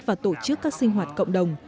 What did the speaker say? và tổ chức các sinh hoạt cộng đồng